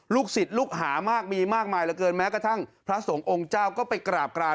ศิษย์ลูกหามากมีมากมายเหลือเกินแม้กระทั่งพระสงฆ์องค์เจ้าก็ไปกราบกราน